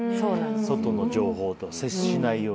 外の情報と接しないように。